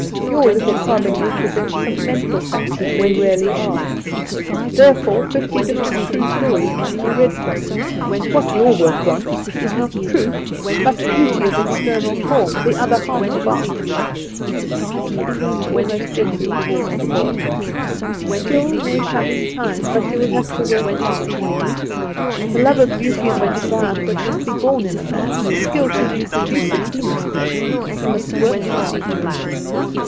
Your little carving represents some mental facts as they really are, therefore fifty different true stories might be read from it. What your work wants is not truth, but beauty of external form, the other half of art." He leaned almost gently toward the boy. "Skill may come in time, but you will have to work hard. The love of beauty and the desire for it must be born in a man; the skill to reproduce it he must make. He must work hard."